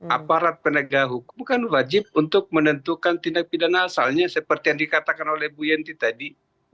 aparat penegak hukum kan wajib untuk menentukan tindak pidana asalnya seperti yang dikatakan oleh bu yenty tadi